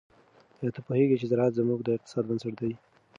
آیا ته پوهیږې چې زراعت زموږ د اقتصاد بنسټ دی؟